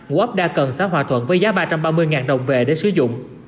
ấp đa cần xã hòa thuận với giá ba trăm ba mươi đồng về để sử dụng